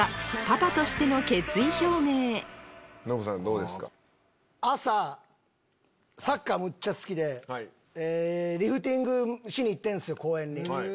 続いては朝サッカーむっちゃ好きでリフティングしに行ってるんすよ公園に。